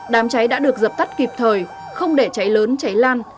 đám cháy đã được dập tắt kịp thời không để cháy lớn cháy lan